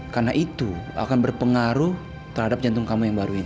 karena itu akan berpengaruh terhadap jantung kamu yang baru ini